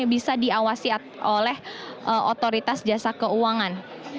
yang bisa diawasi oleh otoritas jasa keuangan